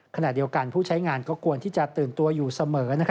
ขณะเดียวกันผู้ใช้งานก็ควรที่จะตื่นตัวอยู่เสมอ